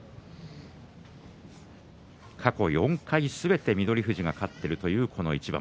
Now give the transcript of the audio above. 過去４回、すべて翠富士が勝っているというこの一番翠